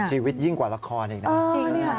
ชีวิตยิ่งกว่าระครอีกนะ